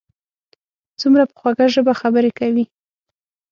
څومره په خوږه ژبه خبرې کوي.